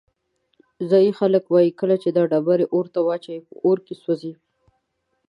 ځایی خلک وایي کله چې دا ډبرې اور ته واچوې په اور کې سوځي.